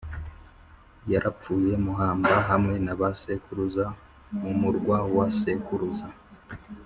Yarapfuye muhamba hamwe na ba sekuruza mu murwa wa sekuruza